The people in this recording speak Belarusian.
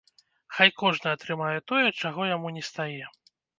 Хай кожны атрымае тое, чаго яму нестае.